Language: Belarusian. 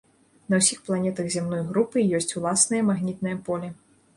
На ўсіх планетах зямной групы ёсць ўласнае магнітнае поле.